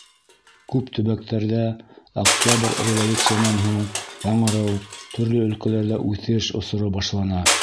Күп төбәктәрҙә Октябрь революцияһынан һуң яңырыу, төрлө өлкәләрҙә үҫеш осоро башлана.